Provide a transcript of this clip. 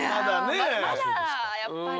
まだやっぱり。